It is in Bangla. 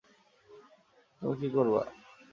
তুমি কি করবা?